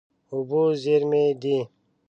اوبه زېرمې دي.